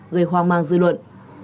gây hoang mang dư luận